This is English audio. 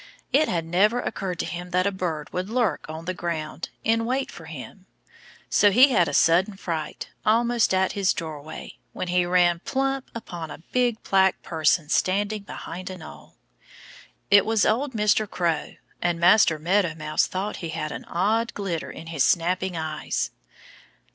It had never occurred to him that a bird would lurk on the ground, in wait for him. So he had a sudden fright, almost at his doorway, when he ran plump upon a big black person standing behind a knoll. [Illustration: Master Meadow Mouse ran plump into old Mr. Crow] It was old Mr. Crow. And Master Meadow Mouse thought he had an odd glitter in his snapping eyes.